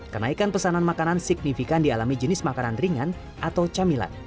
kenaikan pesanan makanan signifikan dialami jenis makanan ringan atau camilan